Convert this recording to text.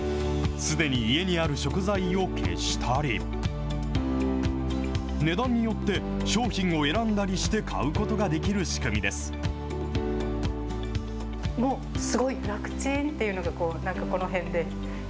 すでに家にある食材を消したり、値段によって商品を選んだりして買うことができる仕組みです。